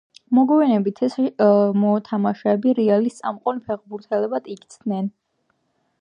მოგვიანებით ეს მოთამაშეები რეალის წამყვან ფეხბურთელებად იქცნენ.